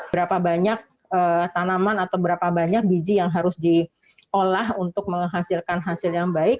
berapa banyak tanaman atau berapa banyak biji yang harus diolah untuk menghasilkan hasil yang baik